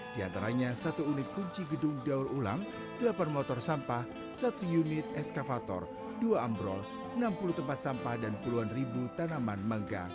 di antaranya satu unit kunci gedung daur ulang delapan motor sampah satu unit eskavator dua ambrol enam puluh tempat sampah dan puluhan ribu tanaman mangga